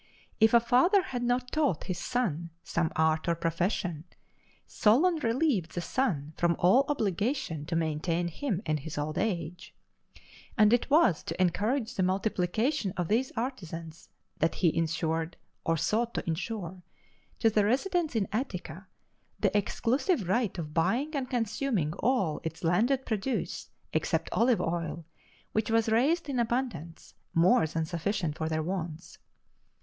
If a father had not taught his son some art or profession, Solon relieved the son from all obligation to maintain him in his old age. And it was to encourage the multiplication of these artisans that he insured, or sought to insure, to the residents in Attica, the exclusive right of buying and consuming all its landed produce except olive oil, which was raised in abundance, more than sufficient for their wants.